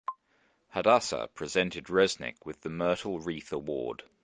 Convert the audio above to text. Hadassah presented Resnick with the Myrtle Wreath Award.